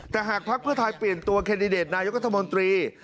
แต่หากพรรคเพื่อทายเปลี่ยนตัวเคนดิเดตนายกุธมนตรี